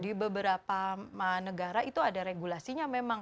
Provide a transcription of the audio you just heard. di beberapa negara itu ada regulasinya memang